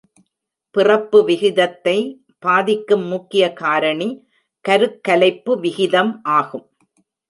பிறப்பு விகிதத்தை பாதிக்கும் முக்கிய காரணி கருக்கலைப்பு விகிதம் ஆகும்.